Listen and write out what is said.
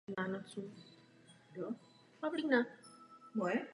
Rozvíjel svá města a stavěl v něm hrady.